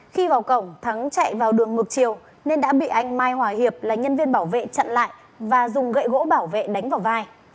khi vào cổng thắng chạy vào đường ngược chiều nên đã bị anh mai hòa hiệp là nhân viên bảo vệ chặn lại và dùng gậy gỗ bảo vệ đánh vào vai